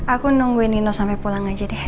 aku nungguin nino sampai pulang aja deh